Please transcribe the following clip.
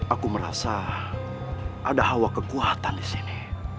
aku merasa ada hawa kekuatan di sini